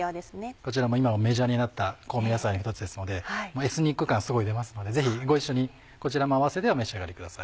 こちらも今はメジャーになった香味野菜の一つですのでエスニック感すごい出ますのでぜひご一緒にこちらも併せてお召し上がりください。